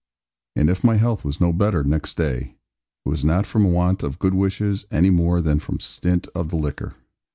And if my health was no better next day, it was not from want of good wishes, any more than from stint of the liquor.